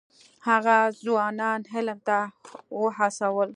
هغه ځوانان علم ته وهڅول.